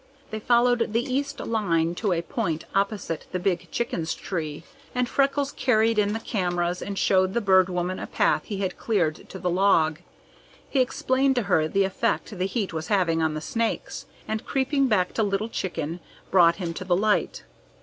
They followed the east line to a point opposite the big chickens' tree, and Freckles carried in the cameras and showed the Bird Woman a path he had cleared to the log. He explained to her the effect the heat was having on the snakes, and creeping back to Little Chicken, brought him to the light.